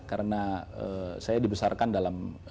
karena saya dibesarkan dalam